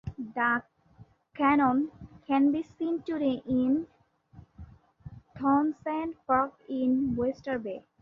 The cannon can be seen today in Townsend Park in Oyster Bay.